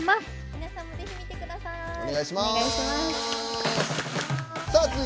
皆さんもぜひ見てください。